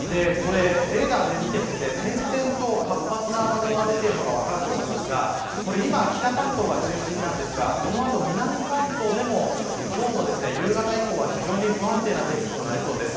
レーダーで見ても、点々と活発な雨雲が出ているのが分かると思いますが今、北関東が中心なんですがこの後、南関東でも今日の夕方以降は非常に不安定な天気となりそうです。